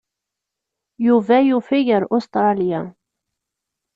Yuba yufeg ar Ustṛalya.